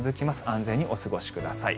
安全にお過ごしください。